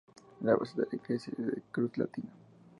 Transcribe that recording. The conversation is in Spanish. La base de la Iglesia es de cruz latina.